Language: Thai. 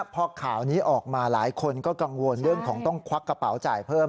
พอข่าวนี้ออกมาหลายคนก็กังวลเรื่องของต้องควักกระเป๋าจ่ายเพิ่ม